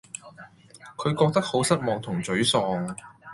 她覺得好失望同沮喪